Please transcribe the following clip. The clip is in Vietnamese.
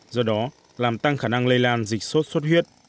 do đó làm tăng khả năng lây lan dịch sốt xuất huyết